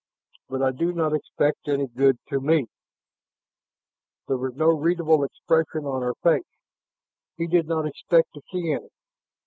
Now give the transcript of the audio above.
"But I do not expect any good to me...." There was no readable expression on her face; he did not expect to see any.